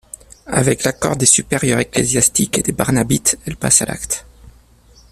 Avec l'accord des supérieurs ecclésiastiques et des barnabites, elle passe à l'acte.